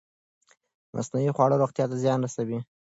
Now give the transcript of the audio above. مصنوعي خواړه روغتیا ته زیان رسوي.